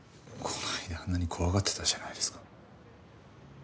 この間あんなに怖がってたじゃないですか。